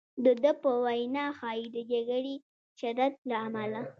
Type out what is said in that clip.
د ده په وینا ښایي د جګړې شدت له امله.